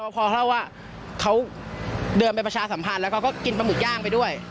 พอเขาเขาเดินไปประชาสัมพันธ์แล้วก็กินประหมึกย่างไปด้วย